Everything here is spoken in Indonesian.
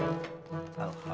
lo makan jangan kebanyakan